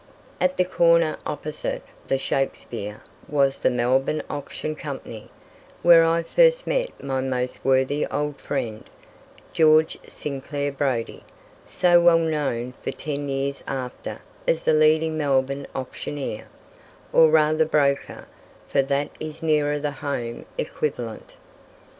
At the corner opposite the Shakespeare was the Melbourne Auction Company, where I first met my most worthy old friend, George Sinclair Brodie, so well known for ten years after as the leading Melbourne auctioneer, or rather "broker," for that is nearer the home equivalent.